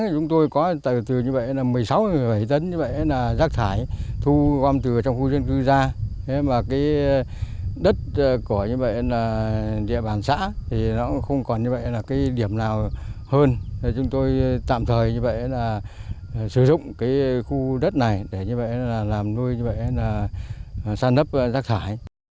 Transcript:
cũng chỉ có hai nhà máy xử lý rác thải công suất chưa đáp ứng được với lượng rác thải ra hàng ngày